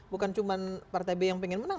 bukan cuma partai b yang pengen menang